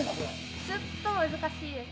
ちょっと難しいですね。